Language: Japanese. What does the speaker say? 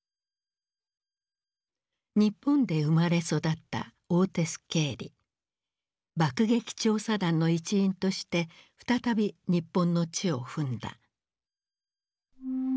日本で生まれ育った爆撃調査団の一員として再び日本の地を踏んだ。